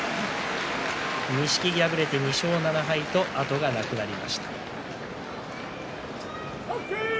錦木は敗れて２勝７敗と後がなくなりました。